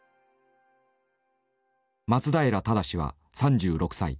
松平精は３６歳。